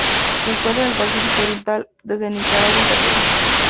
Se encuentra en el Pacífico oriental: desde Nicaragua hasta el Perú.